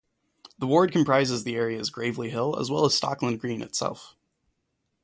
The ward comprises the areas Gravelly Hill as well as Stockland Green itself.